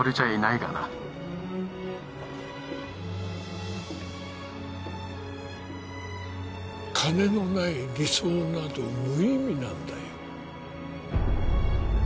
がな金のない理想など無意味なんだよ